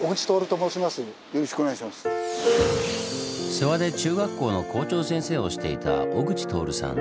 諏訪で中学校の校長先生をしていた小口徹さん。